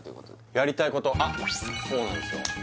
やりたいことあっそうなんですよ